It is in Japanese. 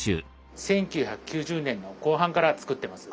１９９０年の後半から作ってます。